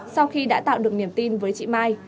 sau khi đã tạo được niềm tin với chị mai